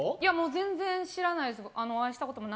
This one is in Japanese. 全然知らないです。